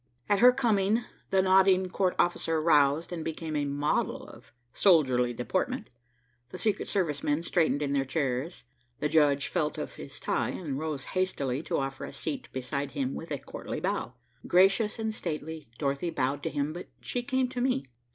At her coming, the nodding court officer roused and became a model of soldierly deportment, the secret service men straightened in their chairs, the judge felt of his tie and rose hastily to offer a seat beside him with a courtly bow. Gracious and stately, Dorothy bowed to him, but she came to me.